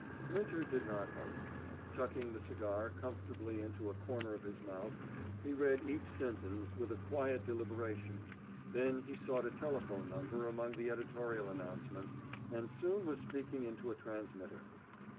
Winter did not hurry. Tucking the cigar comfortably into a corner of his mouth, he read each sentence with a quiet deliberation; then he sought a telephone number among the editorial announcements, and soon was speaking into a transmitter.